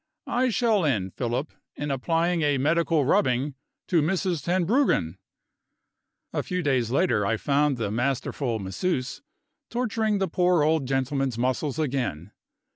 I shall end, Philip, in applying a medical rubbing to Mrs. Tenbruggen." A few days later, I found the masterful "Masseuse" torturing the poor old gentleman's muscles again.